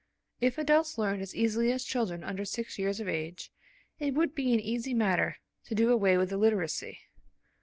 If adults learned as easily as children under six years of age, it would be an easy matter to do away with illiteracy.